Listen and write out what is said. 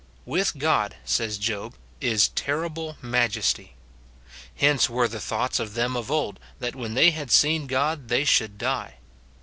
"With God," says Job, "is terrible majesty."* Hence were the thoughts of them of old, that when they had seen God they should die.